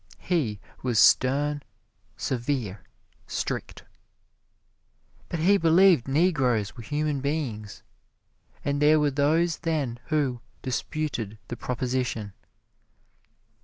He was stern, severe, strict. But he believed Negroes were human beings, and there were those then who disputed the proposition.